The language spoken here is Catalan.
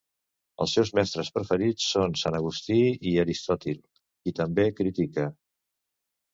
Els seus mestres preferits són Sant Agustí i Aristòtil, qui també critica.